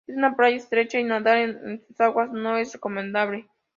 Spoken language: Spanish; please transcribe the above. Es una playa estrecha y nadar en sus aguas no es recomendable.